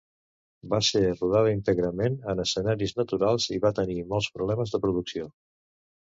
Va ser rodada íntegrament en escenaris naturals i va tenir molts problemes de producció.